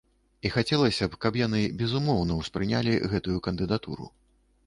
І хацелася б, каб яны безумоўна ўспрынялі гэтую кандыдатуру.